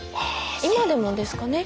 今でもですかね？